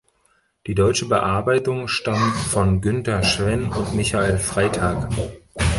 Die deutsche Bearbeitung stammt von Günther Schwenn und Michael Freytag.